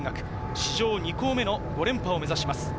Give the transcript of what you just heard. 史上２校目の５連覇を目指します。